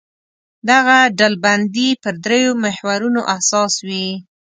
دغه ډلبندي پر درېیو محورونو اساس وي.